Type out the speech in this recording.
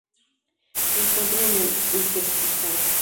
Se encuentra en el Uzbekistán.